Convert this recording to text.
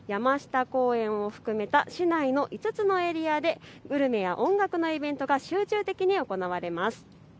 山下公園を含めた市内の５つのエリアでグルメや音楽のイベントが集中的に行われます。